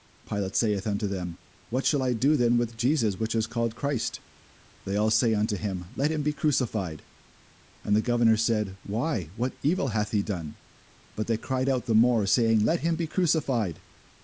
Pilate saith unto them, What shall I do then with Jesus which is called Christ? They all say unto him, Let him be crucified. And the governor said, Why, what evil hath he done? But they cried out the more, saying, Let him be crucified.